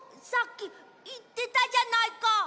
さっきいってたじゃないか！